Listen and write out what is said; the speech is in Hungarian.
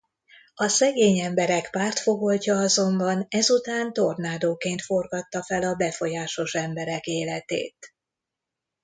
A szegény emberek pártfogoltja azonban ezután tornádóként forgatta fel a befolyásos emberek életét.